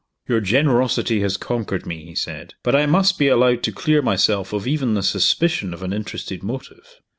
"Your generosity has conquered me," he said. "But I must be allowed to clear myself of even the suspicion of an interested motive.